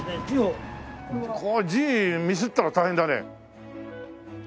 これ字ミスったら大変だね。